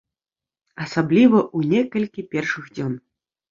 Асабліва ў некалькі першых дзён.